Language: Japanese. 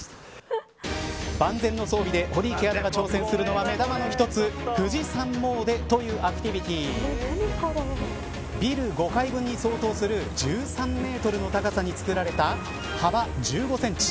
万全の装備で堀池アナが挑戦するのは目玉の１つ富士山詣というアクティビティビル５階分に相当する１３メートルの高さに作られた幅１５センチ